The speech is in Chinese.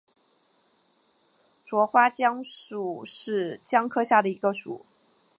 喙花姜属是姜科下的一个属。